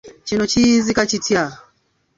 Kino kiyinzika kitya?